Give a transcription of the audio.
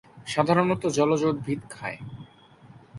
সাধারণত জলজ উদ্ভিদ খায়।